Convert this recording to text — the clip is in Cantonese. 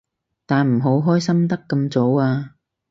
但唔好開心得咁早啊